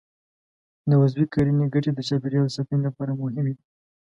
د عضوي کرنې ګټې د چاپېریال ساتنې لپاره مهمې دي.